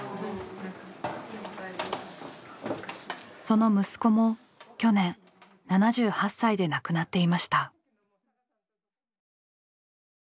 その息子も去年７８歳で亡くなっていました。